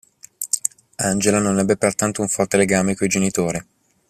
Angela non ebbe pertanto un forte legame con i genitori.